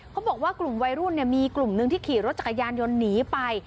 เขาบอกว่ากลุ่มวัยรุ่นมีกลุ่มหนึ่งที่ขี่รถจักรยานยนต์หนีไป